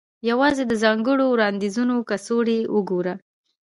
یوازې د ځانګړو وړاندیزونو کڅوړې وګوره